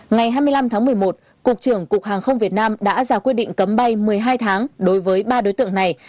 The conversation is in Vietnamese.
ngày hai mươi năm tháng một mươi một cục trưởng cục hàng không việt nam đã ra quyết định cấm bay một mươi hai tháng đối với ba đối tượng này